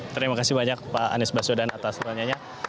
terima kasih banyak pak anies baswedan atas pertanyaannya